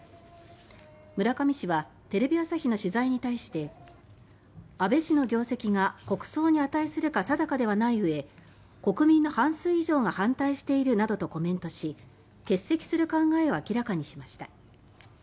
村上氏はテレビ朝日の取材に対して「安倍氏の業績が国葬に値するか定かではないうえ国民の半数以上が反対している」などとコメントし欠席する考えを明らかにしました。